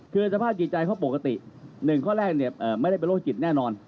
คือสภาพจิตใจเขาปกติ๑ข้อแรกไม่ได้เป็นโรคจิตแน่นอน